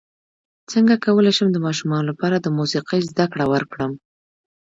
څنګه کولی شم د ماشومانو لپاره د موسیقۍ زدکړه ورکړم